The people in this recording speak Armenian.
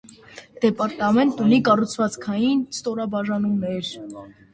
Դեպարտամենտն ունի կառուցվածքային ստորաբաժանումներ։